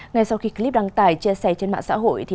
ngay sau khi clip đăng tải chia sẻ trên mạng xã hội